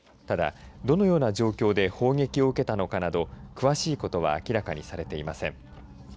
ただ、どのような状況で砲撃を受けたのかなど詳しいことは明らかにされていません。